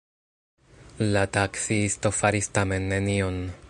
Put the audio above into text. La taksiisto faris tamen nenion.